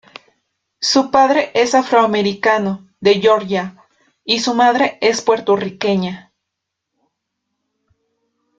Su padre es afroamericano, de Georgia, y su madre es puertorriqueña.